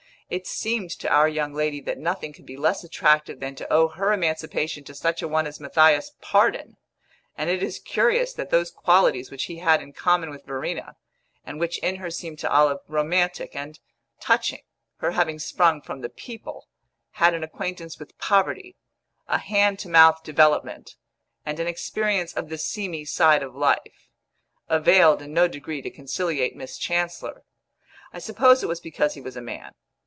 It seemed to our young lady that nothing could be less attractive than to owe her emancipation to such a one as Matthias Pardon; and it is curious that those qualities which he had in common with Verena, and which in her seemed to Olive romantic and touching her having sprung from the "people," had an acquaintance with poverty, a hand to mouth development, and an experience of the seamy side of life availed in no degree to conciliate Miss Chancellor. I suppose it was because he was a man.